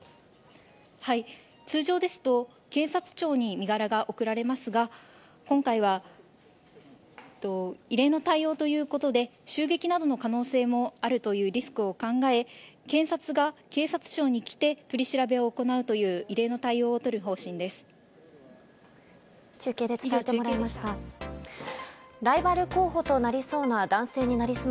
通常ですと検察庁に身柄が送られますが今回は、異例の対応ということで襲撃などの可能性もあるというリスクを考え警察が検察庁に来て取り調べを行うという異例の対応をとる方針です。